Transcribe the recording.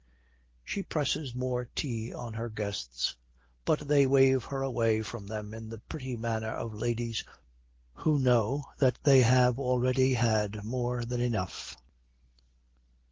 She presses more tea on her guests, but they wave her away from them in the pretty manner of ladies who know that they have already had more than enough.